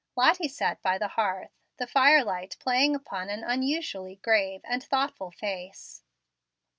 Lottie sat by the hearth, the firelight playing upon an unusually grave and thoughtful face.